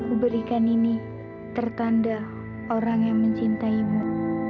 kuberikan ini tertanda orang yang mencintaimu